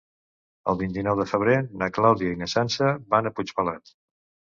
El vint-i-nou de febrer na Clàudia i na Sança van a Puigpelat.